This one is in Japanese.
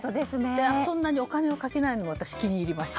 そんなにお金をかけないのも私、気に入りました。